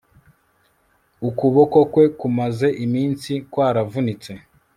ukuboko kwe kumaze iminsi kwaravunitse